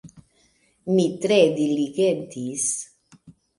Mi tre diligentis.